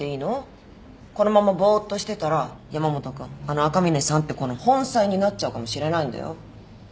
このままぼっとしてたら山本君あの赤嶺さんって子の本妻になっちゃうかもしれないんだよ。